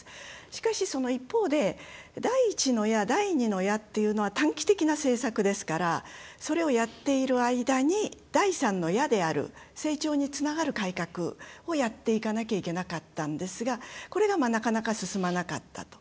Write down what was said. しかし、その一方で第１の矢、第２の矢っていうのは短期的な政策ですからそれをやっている間に第３の矢である成長につながる改革をやっていかなきゃいけなかったんですがこれが、なかなか進まなかったと。